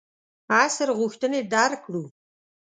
عصر غوښتنې درک کړو.